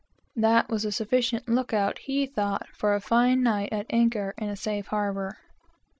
That was sufficient lookout, he thought, for a fine night, at anchor in a safe harbor.